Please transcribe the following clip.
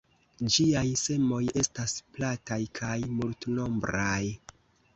Ĝiaj semoj estas plataj kaj multnombraj.